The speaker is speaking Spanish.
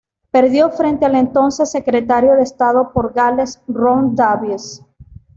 Perdió frente al entonces Secretario de Estado por Gales, Ron Davies.